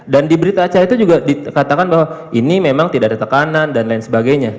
dan di berita acara itu juga dikatakan bahwa ini memang tidak ada tekanan dan lain sebagainya